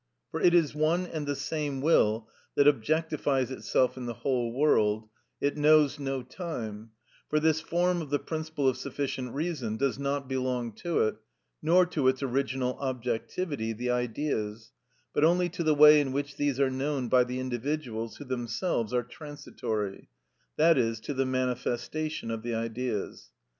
For it is one and the same will that objectifies itself in the whole world; it knows no time, for this form of the principle of sufficient reason does not belong to it, nor to its original objectivity, the Ideas, but only to the way in which these are known by the individuals who themselves are transitory, i.e., to the manifestation of the Ideas.